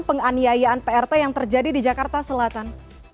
penganiayaan prt yang terjadi di jakarta selatan